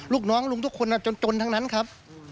ลูกน้องลุงทุกคนจนทั้งนั้นครับ